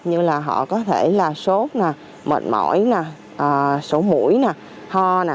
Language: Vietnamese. như là họ có thể là sốt mệt mỏi sổ mũi ho